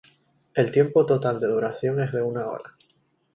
El tiempo total de duración es de una hora.